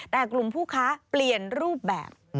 แต่กลุ่มผู้ค้าเปลี่ยนรูปแบบ